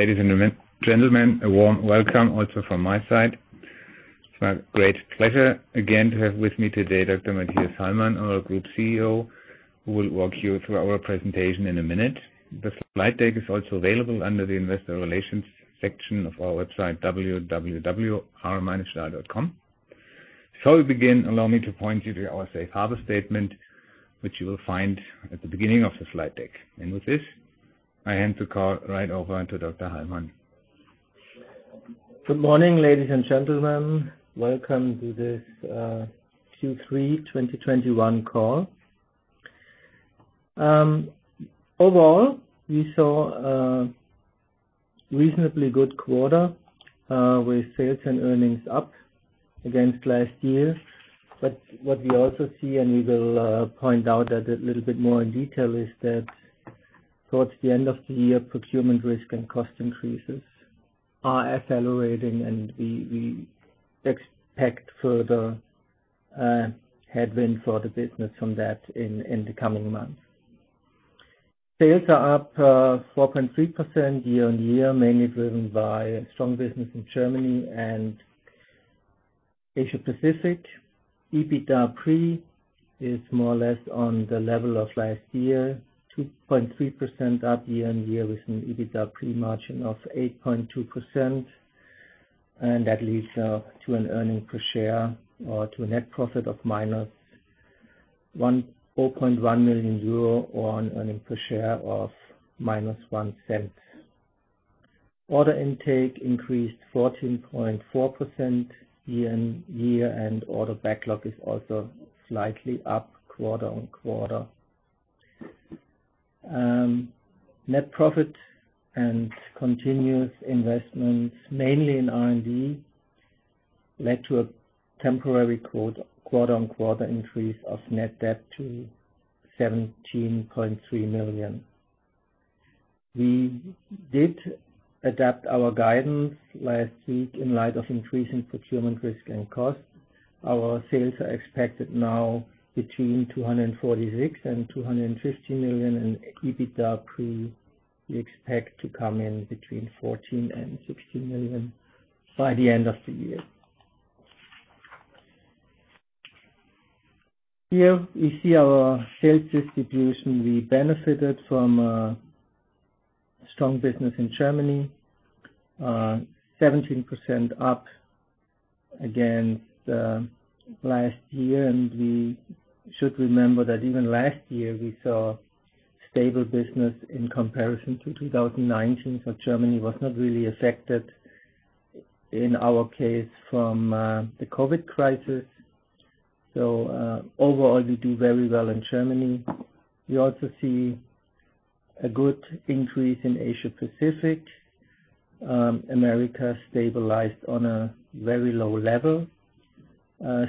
Ladies and gentlemen, a warm welcome also from my side. It's my great pleasure again to have with me today Dr. Mathias Hallmann, our Group CEO, who will walk you through our presentation in a minute. The slide deck is also available under the Investor Relations section of our website, www.r-stahl.com. Before we begin, allow me to point you to our safe harbor statement, which you will find at the beginning of the slide deck. With this, I hand the call right over to Dr. Hallmann. Good morning, ladies and gentlemen. Welcome to this Q3 2021 call. Overall, we saw a reasonably good quarter, with sales and earnings up against last year. What we also see, and we will point out a little bit more in detail, is that towards the end of the year, procurement risk and cost increases are accelerating, and we expect further headwind for the business from that in the coming months. Sales are up 4.3% year-on-year, mainly driven by strong business in Germany and Asia Pacific. EBITDA pre is more or less on the level of last year, 2.3% up year-on-year with an EBITDA pre-margin of 8.2%. That leads to a net profit of -14.1 million euro or earnings per share of -0.01. Order intake increased 14.4% year-on-year, and order backlog is also slightly up quarter-on-quarter. Net profit and continuous investments, mainly in R&D, led to a temporary quarter-on-quarter increase of net debt to 17.3 million. We did adapt our guidance last week in light of increasing procurement risk and cost. Our sales are expected now between 246 million and 250 million. EBITDA pre, we expect to come in between 14 million and 16 million by the end of the year. Here we see our sales distribution. We benefited from a strong business in Germany, 17% up against last year. We should remember that even last year, we saw stable business in comparison to 2019. Germany was not really affected in our case from the COVID crisis. Overall, we do very well in Germany. We also see a good increase in Asia Pacific. America stabilized on a very low level,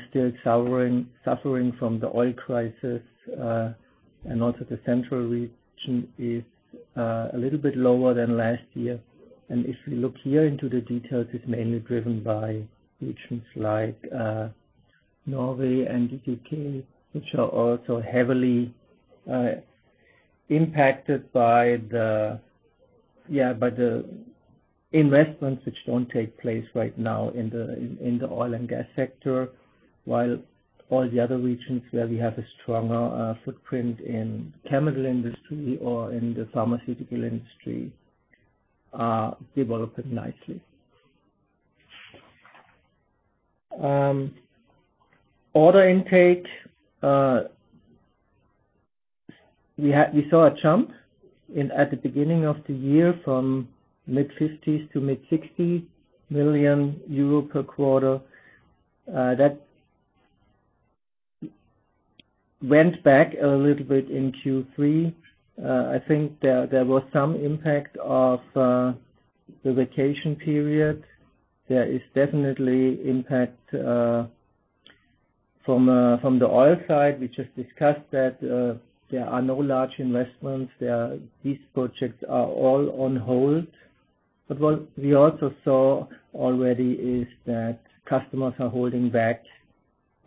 still suffering from the oil crisis, and also the central region is a little bit lower than last year. If we look here into the details, it's mainly driven by regions like Norway and the U.K., which are also heavily impacted by the investments which don't take place right now in the oil and gas sector. While all the other regions where we have a stronger footprint in chemical industry or in the pharmaceutical industry are developing nicely. Order intake, we saw a jump at the beginning of the year from the EUR mid-50s million to the EUR mid-60s million per quarter. That went back a little bit in Q3. I think there was some impact of the vacation period. There is definitely impact from the oil side. We just discussed that, there are no large investments. These projects are all on hold. What we also saw already is that customers are holding back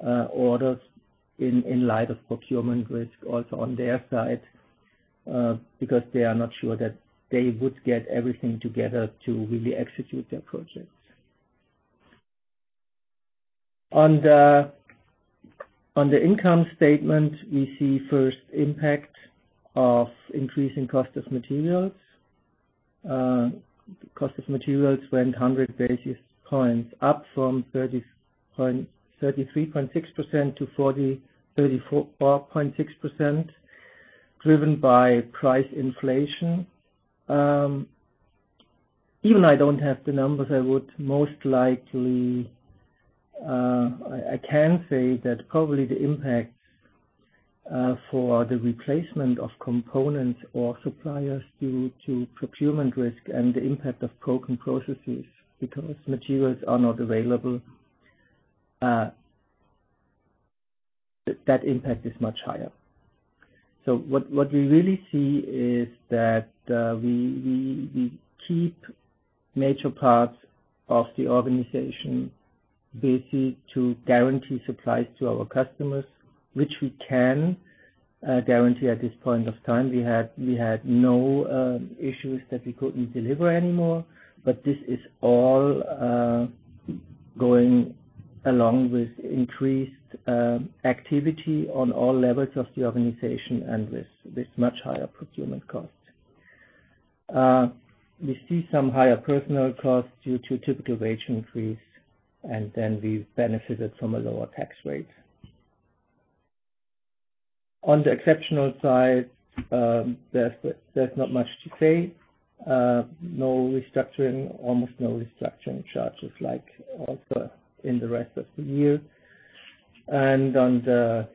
orders in light of procurement risk also on their side, because they are not sure that they would get everything together to really execute their projects. On the income statement, we see first impact of increasing cost of materials. Cost of materials went 100 basis points up from 33.6% to 34.6%, driven by price inflation. Even if I don't have the numbers, I can say that probably the impact for the replacement of components or suppliers due to procurement risk and the impact of recon processes, because materials are not available, that impact is much higher. What we really see is that we keep major parts of the organization basically to guarantee supplies to our customers, which we can guarantee at this point of time. We had no issues that we couldn't deliver anymore. This is all going along with increased activity on all levels of the organization and with much higher procurement costs. We see some higher personnel costs due to typical wage increase, and then we benefited from a lower tax rate. On the exceptional side, there's not much to say. No restructuring, almost no restructuring charges, like also in the rest of the year. On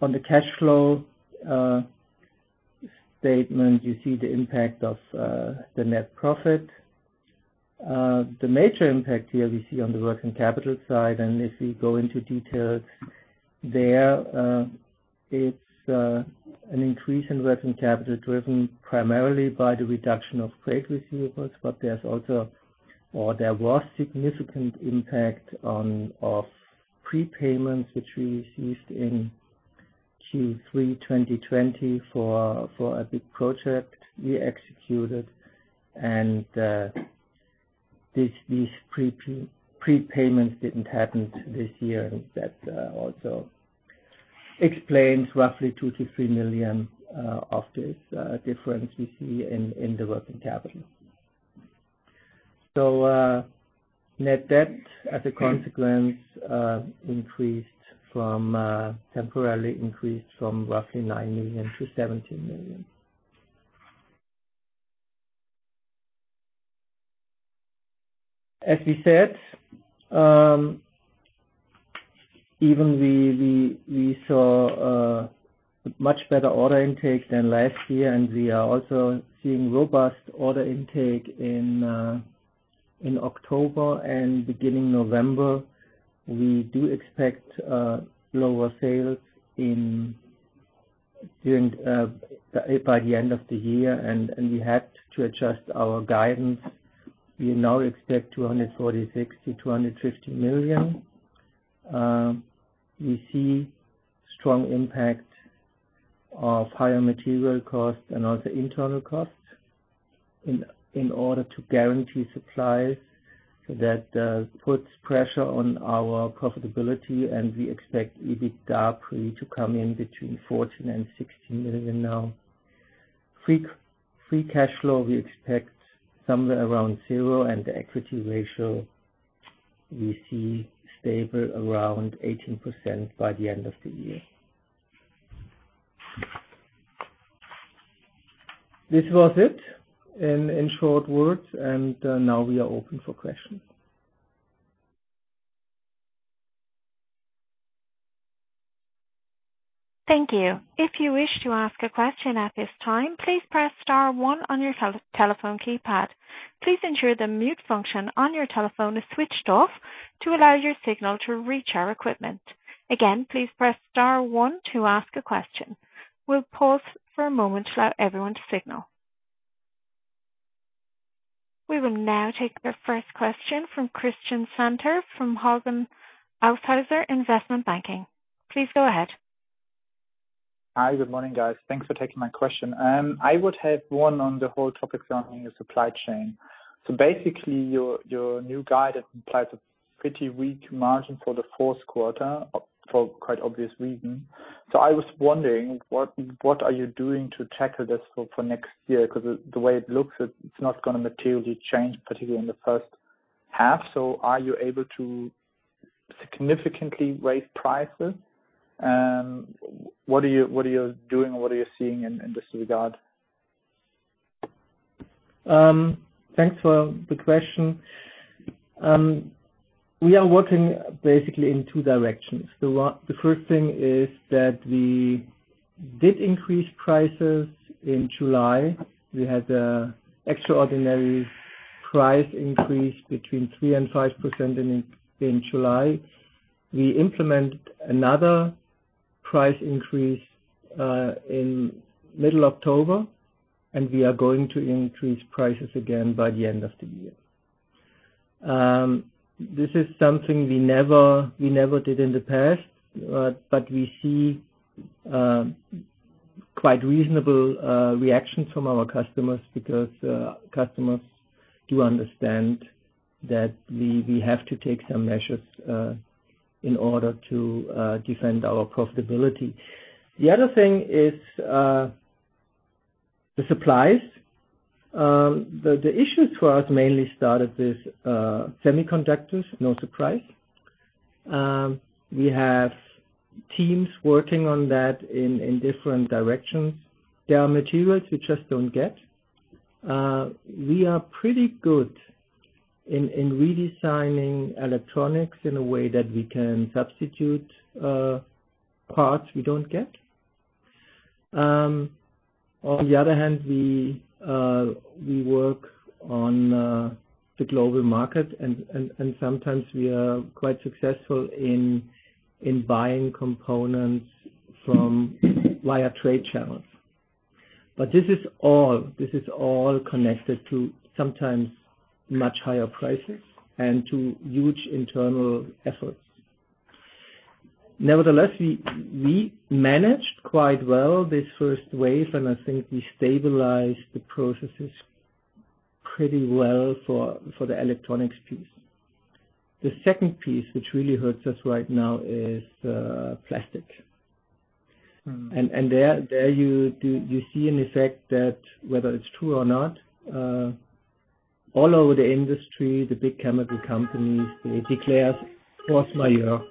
the cash flow statement, you see the impact of the net profit. The major impact here we see on the working capital side, and if we go into details there, it's an increase in working capital driven primarily by the reduction of trade receivables. But there was also significant impact of prepayments, which we received in Q3 2020 for a big project we executed. These prepayments didn't happen this year. That also explains roughly 2 million-3 million of this difference we see in the working capital. Net debt, as a consequence, temporarily increased from roughly 9 million-17 million. As we said, even we saw a much better order intake than last year, and we are also seeing robust order intake in October and beginning November. We do expect lower sales by the end of the year, and we had to adjust our guidance. We now expect 246 million-250 million. We see strong impact of higher material costs and also internal costs in order to guarantee supplies. That puts pressure on our profitability, and we expect EBITDA pre to come in between 14 million and 16 million now. Free cash flow, we expect somewhere around zero, and the equity ratio we see stable around 18% by the end of the year. This was it in short words, and now we are open for questions. Thank you. If you wish to ask a question at this time, please press star one on your telephone keypad. Please ensure the mute function on your telephone is switched off to allow your signal to reach our equipment. Again, please press star one to ask a question. We'll pause for a moment to allow everyone to signal. We will now take the first question from Christian Salis from Hauck Aufhäuser Investment Banking. Please go ahead. Hi, good morning, guys. Thanks for taking my question. I would have one on the whole topics on your supply chain. Basically, your new guidance implies a pretty weak margin for the Q4 for quite obvious reasons. I was wondering, what are you doing to tackle this for next year? Because the way it looks, it's not gonna materially change, particularly in the first half. Are you able to significantly raise prices? What are you doing? What are you seeing in this regard? Thanks for the question. We are working basically in two directions. The first thing is that we did increase prices in July. We had an extraordinary price increase between 3% and 5% in July. We implemented another price increase in middle October, and we are going to increase prices again by the end of the year. This is something we never did in the past, but we see quite reasonable reactions from our customers because customers do understand that we have to take some measures in order to defend our profitability. The other thing is the supplies. The issue to us mainly started with semiconductors. No surprise. We have teams working on that in different directions. There are materials we just don't get. We are pretty good in redesigning electronics in a way that we can substitute parts we don't get. On the other hand, we work on the global market and sometimes we are quite successful in buying components from via trade channels. This is all connected to sometimes much higher prices and to huge internal efforts. Nevertheless, we managed quite well this first wave, and I think we stabilized the processes pretty well for the electronics piece. The second piece, which really hurts us right now, is plastic. There you see an effect that whether it's true or not, all over the industry, the big chemical companies, they declare force majeure.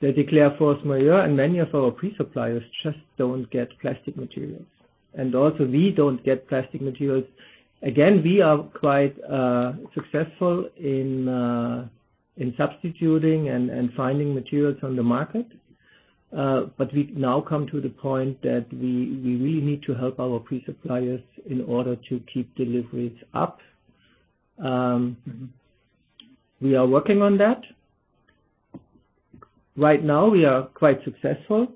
They declare force majeure, and many of our pre-suppliers just don't get plastic materials. Also we don't get plastic materials. Again, we are quite successful in substituting and finding materials on the market. We've now come to the point that we really need to help our pre-suppliers in order to keep deliveries up. We are working on that. Right now, we are quite successful.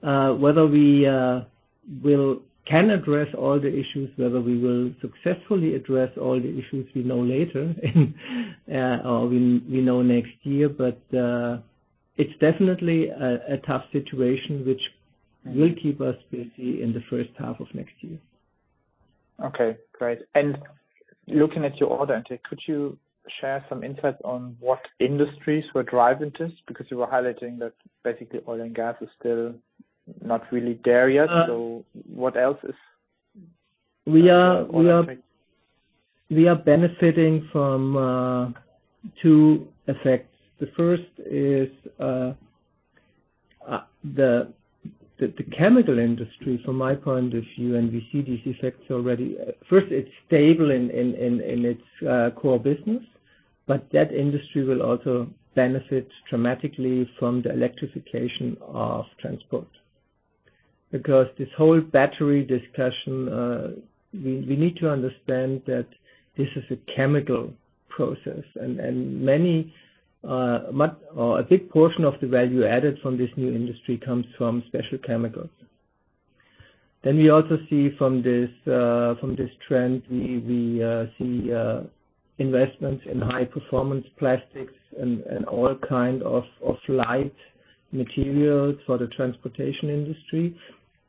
Whether we can address all the issues, whether we will successfully address all the issues we know later and or we know next year. It's definitely a tough situation which will keep us busy in the first half of next year. Okay, great. Looking at your order intake, could you share some insights on what industries were driving this? Because you were highlighting that basically oil and gas is still not really there yet. What else is We are benefiting from two effects. The first is the chemical industry, from my point of view, and we see these effects already. First, it's stable in its core business, but that industry will also benefit dramatically from the electrification of transport. Because this whole battery discussion, we need to understand that this is a chemical process. Many or a big portion of the value added from this new industry comes from special chemicals. We also see from this trend, we see investments in high performance plastics and all kind of light materials for the transportation industry.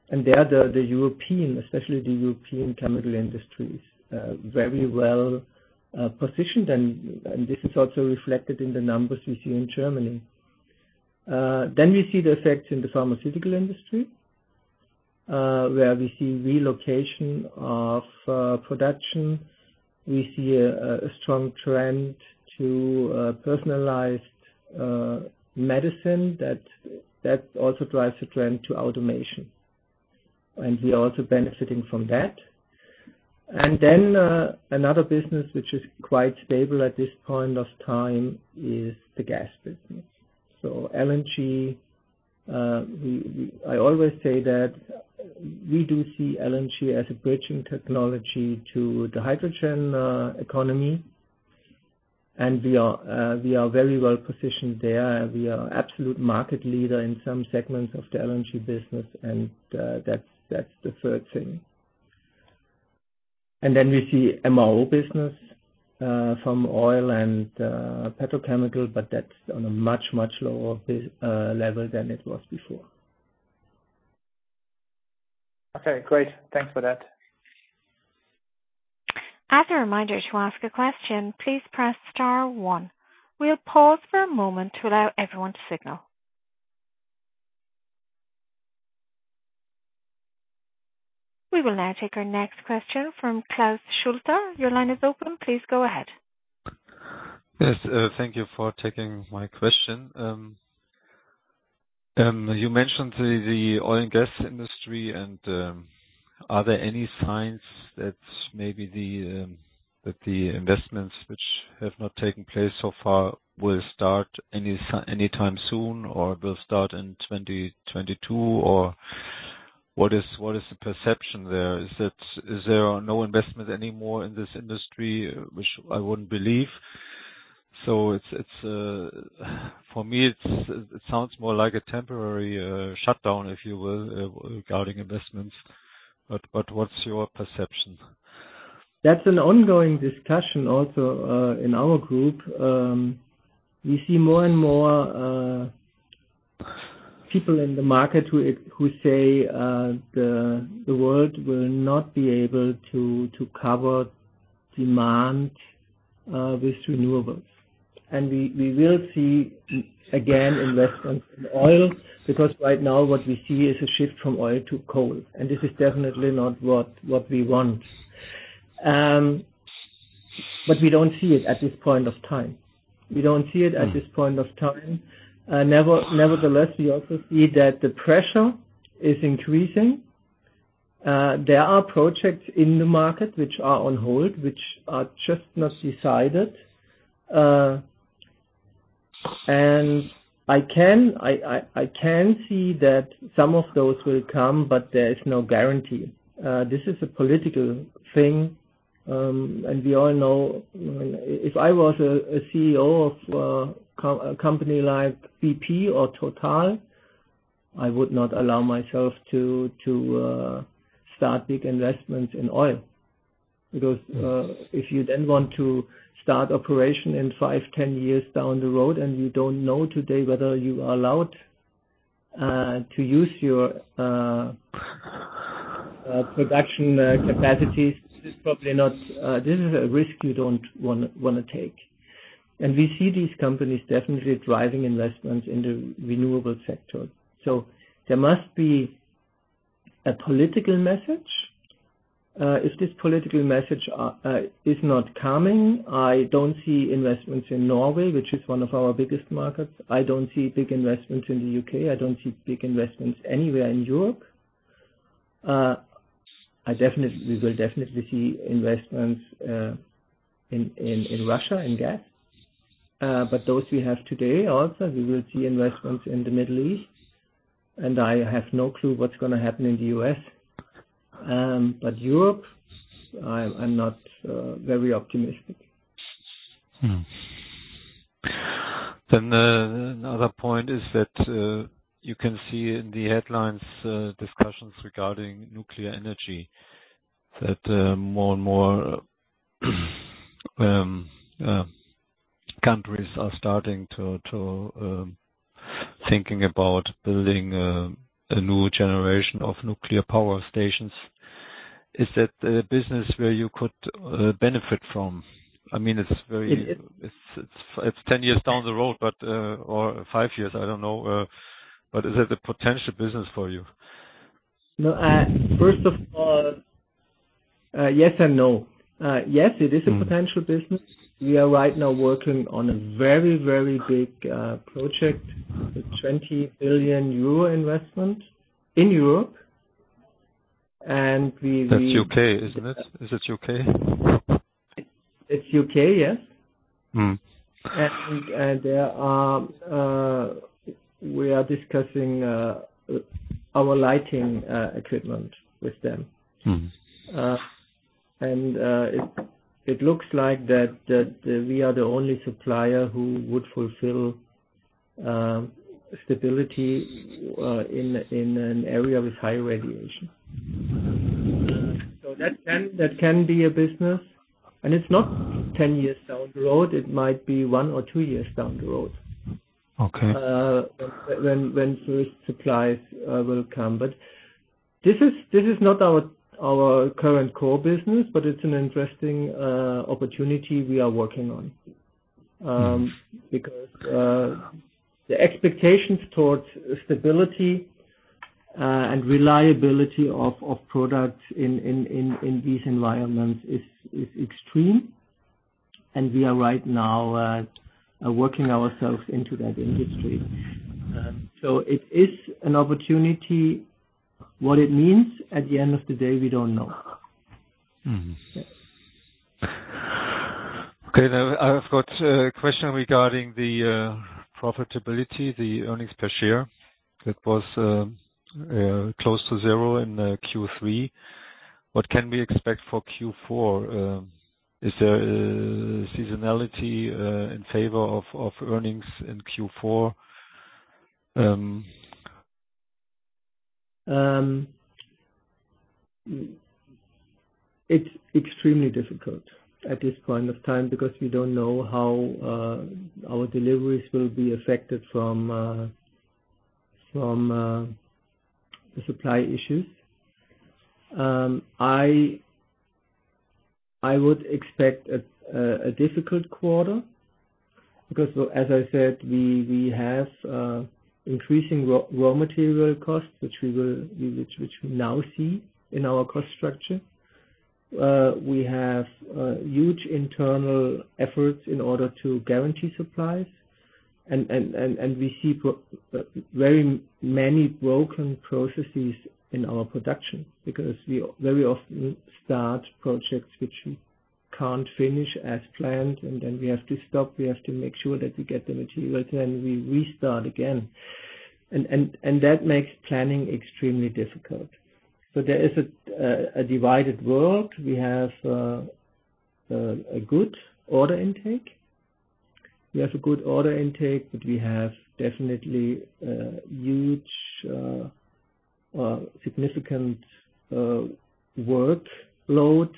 There, the European, especially the European chemical industry is very well positioned. This is also reflected in the numbers we see in Germany. We see the effects in the pharmaceutical industry, where we see relocation of production. We see a strong trend to personalized medicine that also drives the trend to automation. We are also benefiting from that. Another business which is quite stable at this point of time is the gas business. LNG, I always say that we do see LNG as a bridging technology to the hydrogen economy. We are very well positioned there, and we are absolute market leader in some segments of the LNG business, and that's the third thing. We see MRO business from oil and petrochemical, but that's on a much lower level than it was before. Okay, great. Thanks for that. As a reminder, to ask a question, please press star one. We'll pause for a moment to allow everyone to signal. We will now take our next question from Klaus Schulte. Your line is open. Please go ahead. Yes, thank you for taking my question. You mentioned the oil and gas industry, and are there any signs that maybe the investments which have not taken place so far will start anytime soon or will start in 2022? Or what is the perception there? Is there are no investment anymore in this industry? Which I wouldn't believe. It's for me, it sounds more like a temporary shutdown, if you will, regarding investments. But what's your perception? That's an ongoing discussion also in our group. We see more and more people in the market who say the world will not be able to cover demand with renewables. We will see again investments in oil, because right now what we see is a shift from oil to coal, and this is definitely not what we want. We don't see it at this point of time. Nevertheless, we also see that the pressure is increasing. There are projects in the market which are on hold, which are just not decided. I can see that some of those will come, but there is no guarantee. This is a political thing, and we all know if I was a CEO of a company like BP or Total, I would not allow myself to start big investments in oil. Because if you then want to start operation in five, 10 years down the road, and you don't know today whether you are allowed to use your production capacities, this is probably not a risk you don't wanna take. We see these companies definitely driving investments in the renewable sector. There must be a political message. If this political message is not coming, I don't see investments in Norway, which is one of our biggest markets. I don't see big investments in the U.K. I don't see big investments anywhere in Europe. We will definitely see investments in Russia, in gas. Those we have today also, we will see investments in the Middle East, and I have no clue what's gonna happen in the U.S. Europe, I'm not very optimistic. Another point is that you can see in the headlines discussions regarding nuclear energy that more and more countries are starting to thinking about building a new generation of nuclear power stations. Is that a business where you could benefit from? I mean, it's very. It's 10 years down the road, but or five years, I don't know. Is that a potential business for you? No. First of all, yes and no. Yes, it is a potential business. We are right now working on a very, very big project, a 20 billion euro investment in Europe. We That's U.K., isn't it? Is it U.K.? It's U.K., yes. We are discussing our luminaires equipment with them. It looks like that we are the only supplier who would fulfill stability in an area with high radiation. That can be a business, and it's not 10 years down the road. It might be one or two years down the road. Okay. When first supplies will come. This is not our current core business, but it's an interesting opportunity we are working on. Because the expectations towards stability and reliability of products in these environments is extreme, and we are right now working ourselves into that industry. It is an opportunity. What it means, at the end of the day, we don't know. Now I've got a question regarding the profitability, the earnings per share. That was close to zero in Q3. What can we expect for Q4? Is there a seasonality in favor of earnings in Q4? It's extremely difficult at this point of time because we don't know how our deliveries will be affected from the supply issues. I would expect a difficult quarter because as I said, we have increasing raw material costs, which we now see in our cost structure. We have huge internal efforts in order to guarantee supplies. We see very many broken processes in our production because we very often start projects which we can't finish as planned, and then we have to stop. We have to make sure that we get the material, then we restart again. That makes planning extremely difficult. There is a divided world. We have a good order intake. We have a good order intake, but we have definitely a huge, significant workload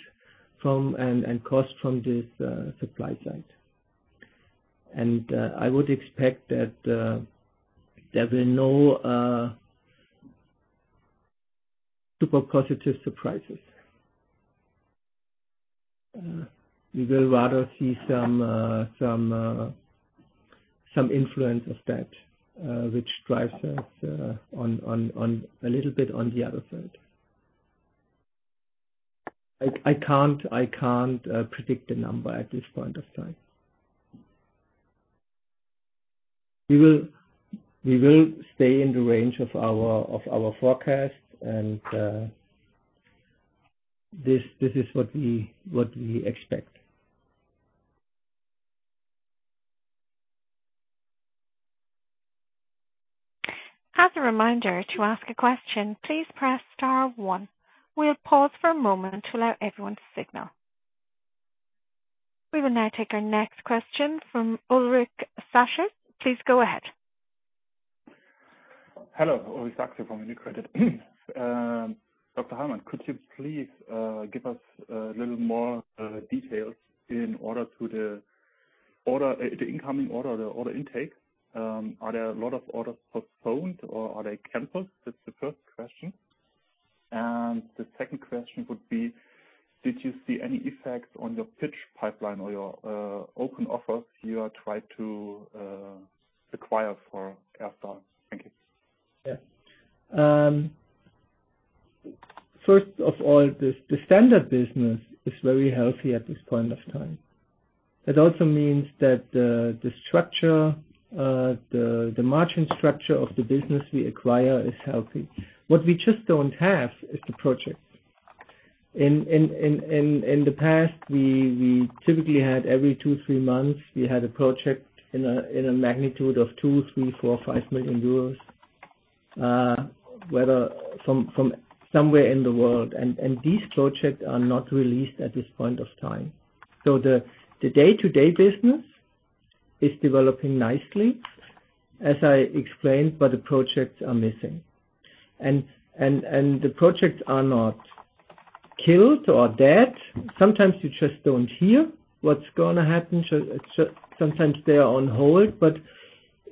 and cost from this supply side. I would expect that there will be no super positive surprises. We will rather see some influence of that, which drives us on a little bit on the other side. I can't predict a number at this point of time. We will stay in the range of our forecast and this is what we expect. As a reminder to ask a question please press star one. We will pause for a moment to let everyone signal. We will now take our next question from Ulrich Sachse. Please go ahead. Hello. Ulrich Sachse from UniCredit. Dr. Hallmann, could you please give us a little more details on the incoming order, the order intake, are there a lot of orders postponed or are they canceled? That's the first question. The second question would be, did you see any effects on your pitch pipeline or your open offers you are trying to acquire for Airstar? Thank you. Yeah. First of all, the standard business is very healthy at this point of time. It also means that the structure, the margin structure of the business we acquire is healthy. What we just don't have is the projects. In the past, we typically had every two, three months, we had a project in a magnitude of 2 million, 3 million, 4 million, 5 million euros, whether from somewhere in the world. The projects are not released at this point of time. The day-to-day business is developing nicely, as I explained, but the projects are missing. The projects are not killed or dead. Sometimes you just don't hear what's gonna happen. Sometimes they are on hold, but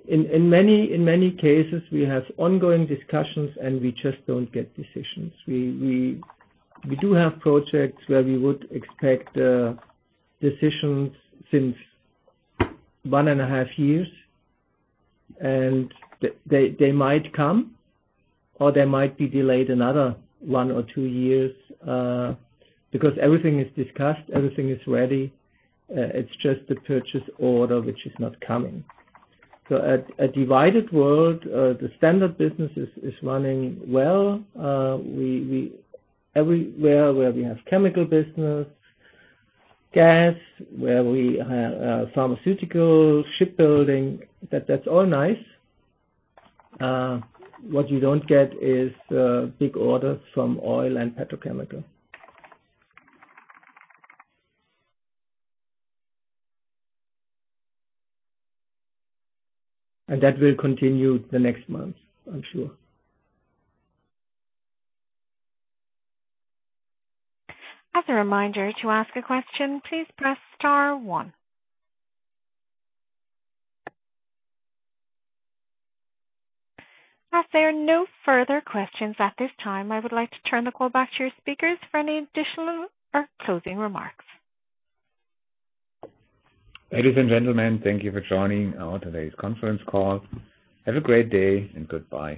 in many cases, we have ongoing discussions, and we just don't get decisions. We do have projects where we would expect decisions since 1.5 years, and they might come or they might be delayed another one or two years, because everything is discussed, everything is ready, it's just the purchase order which is not coming. In a divided world, the standard business is running well. Everywhere where we have chemical business, gas, where we have pharmaceutical, shipbuilding, that's all nice. What you don't get is big orders from oil and petrochemical. That will continue the next month, I'm sure. As a reminder to ask a question, please press star one. As there are no further questions at this time, I would like to turn the call back to your speakers for any additional or closing remarks. Ladies and gentlemen, thank you for joining our today's conference call. Have a great day and goodbye.